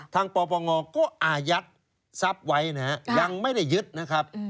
ปปงก็อายัดทรัพย์ไว้นะฮะยังไม่ได้ยึดนะครับ